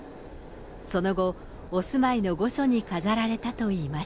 その後、お住まいの御所に飾られたといいます。